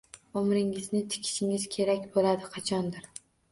Umringizni tikishingiz kerak bo‘ladi qachondir.